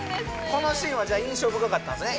このシーンは印象深かったんですね